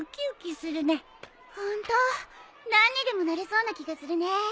ホント何にでもなれそうな気がするね。